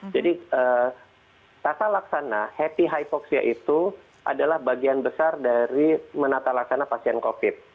jadi tata laksana happy hypoxia itu adalah bagian besar dari menata laksana pasien covid